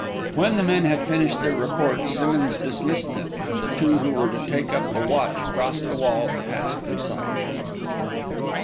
When the men had finished their report, Simmonds dismissed them, and the two who were to take up the watch crossed the wall and passed from sight.